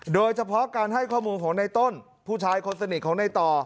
โดยเฉพาะการให้ข้อมูลของในต้นผู้ชายคนสนิทของในต่อ